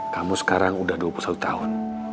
kamu sekarang udah dua puluh satu tahun